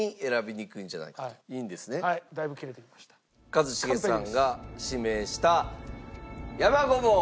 一茂さんが指名した山ごぼう